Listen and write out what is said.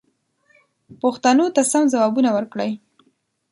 پوښتنو ته سم ځوابونه ورکړئ.